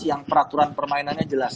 yang peraturan permainannya jelas